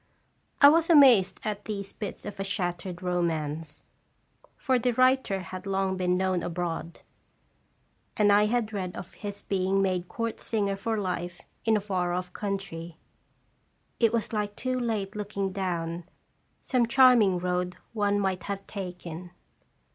I was amazed at these bits of a shattered romance ; for the writer had long been known abroad, and I had read of his being made court singer for life in a far off country. It was like too late looking down some charming road one might have taken.